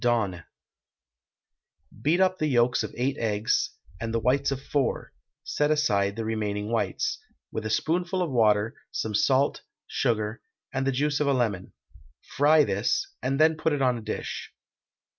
DONNE. Beat up the yolks of eight eggs, and the whites of four (set aside the remaining whites), with a spoonful of water, some salt, sugar, and the juice of a lemon; fry this, and then put it on a dish.